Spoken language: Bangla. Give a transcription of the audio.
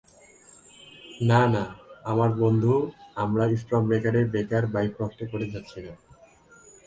না, না, আমার বন্ধু, আমরা স্টর্মব্রেকারের বেকার বাইফ্রস্টে করে যাচ্ছি না।